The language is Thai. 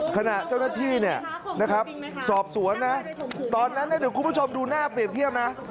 ขณะเจ้าหน้าที่สอบสวนตอนนั้นคุณผู้ชมดูหน้าเปลี่ยนเทียบนะ